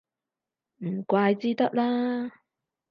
唔怪之得啦